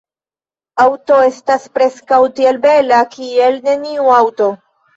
Aŭto estas preskaŭ tiel bela kiel neniu aŭto.